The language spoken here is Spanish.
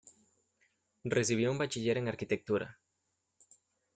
Recibió un B. Arch.